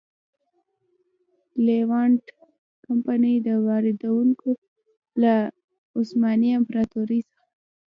لېوانټ کمپنۍ واردوونکو له عثماني امپراتورۍ څخه.